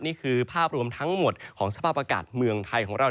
นี่คือภาพรวมทั้งหมดของสภาพอากาศเมืองไทยของเรา